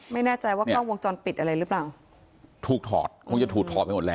ไม่แน่ใจว่ากล้องวงจรปิดอะไรหรือเปล่าถูกถอดคงจะถูกถอดไปหมดแล้ว